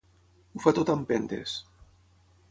Ho fa tot a empentes.